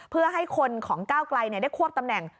เพื่อให้คนของก้าวไกลได้ควบตำแหน่ง